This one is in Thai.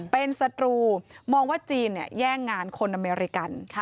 เป็นศัตรูมองว่าจีนแย่งงานคนอเมริกัน